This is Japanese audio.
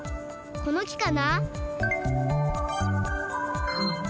この木かな？